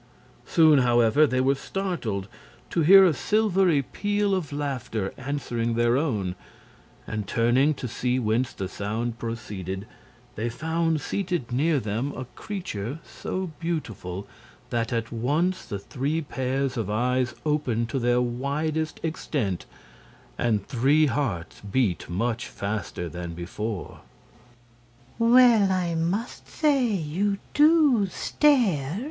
Soon, however, they were startled to hear a silvery peal of laughter answering their own, and turning to see whence the sound proceeded, they found seated near them a creature so beautiful that at once the three pairs of eyes opened to their widest extent, and three hearts beat much faster than before. "Well, I must say you DO stare!"